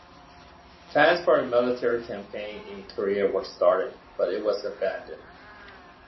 Plans for a military campaign in Korea were started, but it was abandoned.